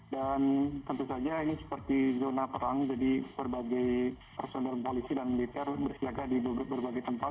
dan tentu saja ini seperti zona perang jadi berbagai personel polisi dan militer bersiaga di berbagai tempat